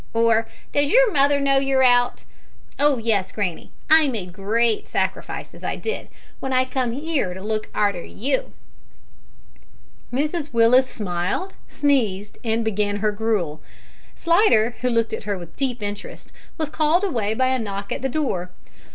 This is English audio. or `Does your mother know you're out?' Oh yes, granny! I made great sacrifices, I did, w'en I come 'ere to look arter you!" Mrs Willis smiled, sneezed, and began her gruel. Slidder, who looked at her with deep interest, was called away by a knock at the door.